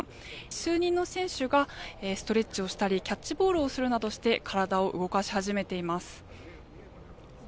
数人の選手がストレッチをしたりキャッチボールをするなどして体を動かし始めています。